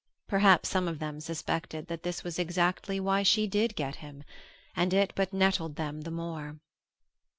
Perhaps some of them suspected that this was exactly why she did get him, and it but nettled them the more.